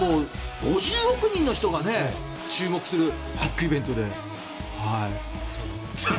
５０億人の人が注目するビッグイベントで。